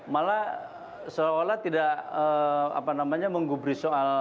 malah seolah olah tidak apa namanya menggubri soal